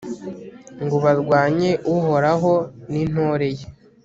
ngo barwanye uhoraho n'intore ye